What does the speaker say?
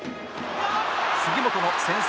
杉本の先制